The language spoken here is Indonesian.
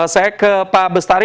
saya ke pak bestari